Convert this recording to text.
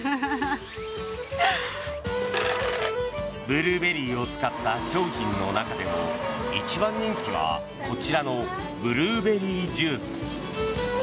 ブルーベリーを使った商品の中でも一番人気はこちらのブルーベリージュース。